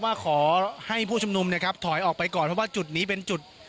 ว่าขอให้ผู้ชุมนุมนะครับถอยออกไปก่อนเพราะว่าจุดนี้เป็นจุด